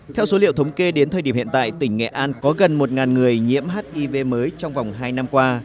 theo số liệu thống kê đến thời điểm hiện tại tỉnh nghệ an có gần một người nhiễm hiv mới trong vòng hai năm qua